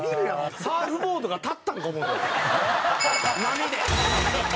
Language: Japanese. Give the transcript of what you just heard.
波で。